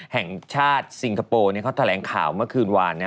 แห่งชาติสิงคโปรเนี่ยเค้าแถลงข่าวเมื่อคืนวานนะ